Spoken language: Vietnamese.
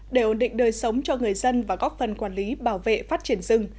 để ổn định đời sống cho người dân và góp phần quản lý bảo vệ phát triển rừng